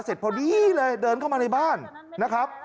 เสร็จพอดีเลยเดินเข้ามาในบ้านนะครับ